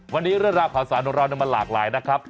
วันนี้เรื่องราวขาวสาวเราน้ำมาหลากหลายนะครับ